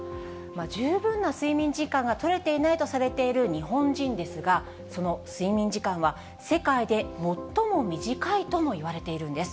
十分な睡眠時間がとれていないとされている日本人ですが、その睡眠時間は、世界で最も短いともいわれているんです。